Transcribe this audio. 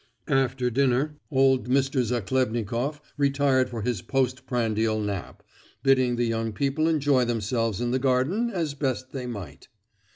After dinner old Mr. Zachlebnikoff retired for his post prandial nap, bidding the young people enjoy themselves in the garden as best they might.